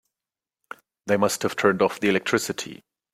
They must have turned off the electricity.